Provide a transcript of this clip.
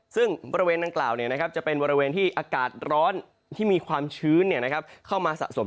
ซึ่งบริเวณดังกล่าวจะเป็นบริเวณที่อากาศร้อนที่มีความชื้นเข้ามาสะสม